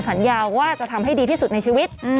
สัญญาว่าจะทำให้ดีที่สุดในชีวิต